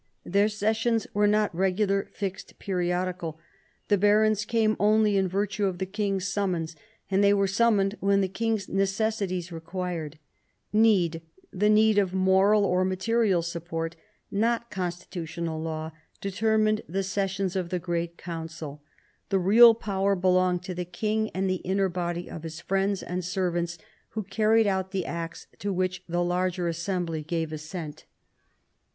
Their sessions were not regular, fixed, periodical. The barons came only in virtue of the king's summons, and they were summoned when the king's necessities required. Need — the need of moral or material support — not constitutional law, determined the sessions of the great council. The real power belonged to the king and the inner body of his friends and servants, who carried out the acts to which the larger assembly gave assent.